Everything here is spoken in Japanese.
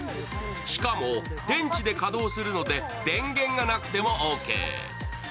しかも、電池で稼働するので電源がなくてもオーケー。